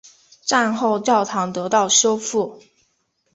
战后教堂得到修复。